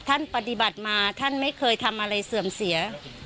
ท่านปฏิบัติมาท่านไม่เคยทำอะไรเสื่อมเสีย